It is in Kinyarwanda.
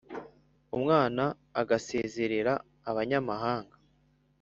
umwána agasezerera abanyámahanga